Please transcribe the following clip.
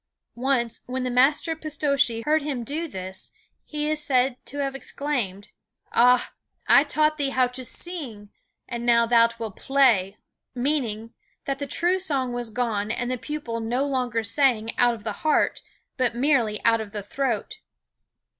Once, when the master, Pistocchi, heard him do this he is said to have exclaimed: "Ah, I taught thee how to sing, and now thou wilt play;" meaning that the true song was gone and the pupil no longer sang out of the heart, but merely out of the throat.